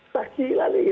saki lagi gitu